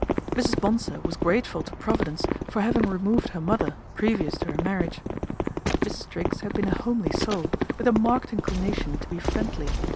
Mrs. Bonsor was grateful to providence for 24 PATRICIA BRENT, SPINSTER having removed her mother previous to her marriage. Mrs. Triggs had been a homely soul, with a marked inclination to be " friendly."